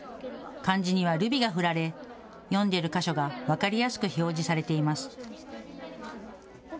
漢字にはルビが振られ読んでいる箇所が分かりやすく表示されています。